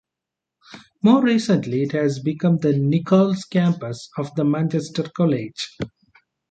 More recently it has become the Nicholls Campus of the Manchester College.